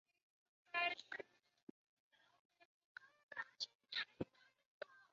巴耶济德的军队在后世色雷斯中部的埃迪尔内凯尚萨兹勒德雷村与穆斯塔法遭遇。